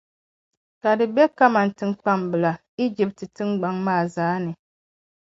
ka di be kaman taŋkpa’ balli Ijipti tiŋgbɔŋ maa zaa ni.